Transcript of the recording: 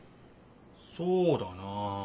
そうだなあ。